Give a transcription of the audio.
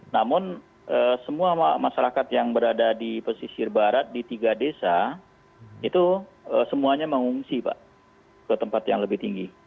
namun semua masyarakat yang berada di pesisir barat di tiga desa itu semuanya mengungsi pak ke tempat yang lebih tinggi